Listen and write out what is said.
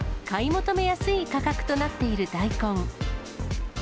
買い求めやすい価格となっている大根。